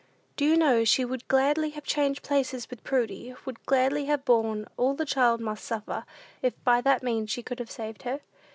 Do you know, she would gladly have changed places with Prudy, would gladly have borne all the child must suffer, if by that means she could have saved her?